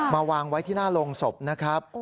วางไว้ที่หน้าโรงศพนะครับ